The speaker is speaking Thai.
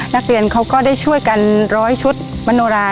นักเรียนเขาก็ได้ช่วยกันร้อยชุดมโนรา